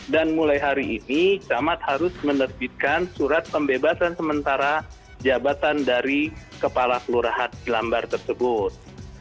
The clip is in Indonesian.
dan mulai hari ini camat harus menerbitkan surat pembebasan sementara jabatan dari kepala lurahat jelambar tersebut